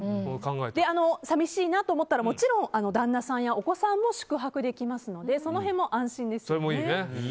寂しいなと思ったらもちろん、旦那さんやお子さんも宿泊できますのでその辺も安心ですね。